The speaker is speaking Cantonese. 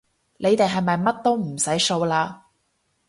你哋係咪乜都唔使掃嘞